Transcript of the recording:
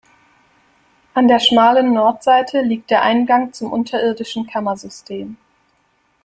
An der schmalen Nordseite liegt der Eingang zum unterirdischen Kammersystem.